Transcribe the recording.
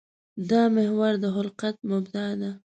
دا محور د خلقت مبدا ده.